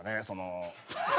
その。